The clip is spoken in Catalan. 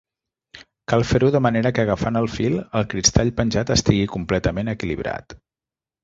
Cal fer-ho de manera que agafant el fil, el cristall penjat estigui completament equilibrat.